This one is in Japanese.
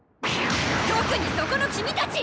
特にそこの君たち！